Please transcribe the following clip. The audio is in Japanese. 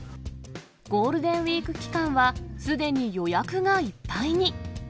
ゴールデンウィーク期間は、すでに予約がいっぱいに。